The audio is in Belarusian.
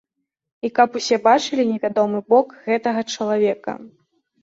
І каб усе ўбачылі невядомы бок гэтага чалавека.